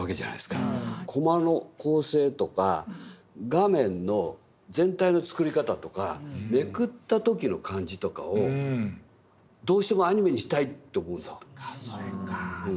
コマの構成とか画面の全体の作り方とかめくった時の感じとかをどうしてもアニメにしたいと思うんだと思う。